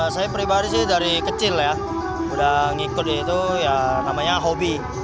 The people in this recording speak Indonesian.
saya pribadi sih dari kecil ya udah ngikutnya itu ya namanya hobi